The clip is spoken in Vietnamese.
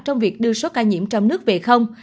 trong việc đưa số ca nhiễm trong nước về không